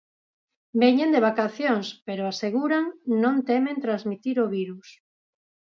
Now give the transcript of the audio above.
Veñen de vacacións pero, aseguran, non temen transmitir o virus.